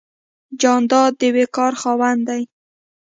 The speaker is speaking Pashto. جانداد د وقار خاوند دی.